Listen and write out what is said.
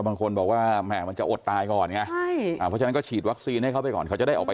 บางคนบอกว่ามันจะอดตายก่อน